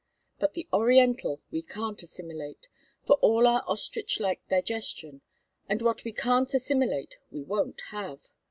But the Oriental we can't assimilate, for all our ostrich like digestion, and what we can't assimilate we won't have.